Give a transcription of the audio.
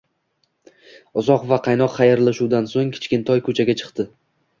Uzoq va qaynoq xayrlashuvdan so`ng Kichkintoy ko`chaga chiqdi